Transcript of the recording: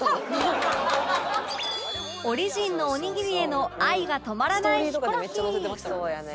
オリジンのおにぎりへの愛が止まらないヒコロヒー